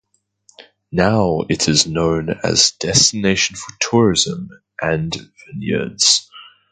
Now it is known as a destination for tourism and vineyards.